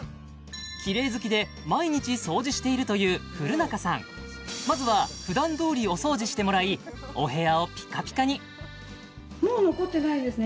きれい好きで毎日掃除しているという古仲さんまずは普段どおりお掃除してもらいお部屋をピカピカにもう残ってないですね